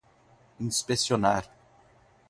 inspecionar